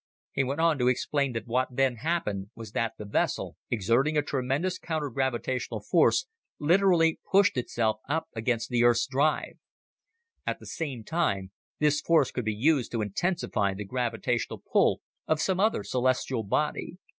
He went on to explain that what then happened was that the vessel, exerting a tremendous counter gravitational force, literally pushed itself up against Earth's drive. At the same time, this force could be used to intensify the gravitational pull of some other celestial body.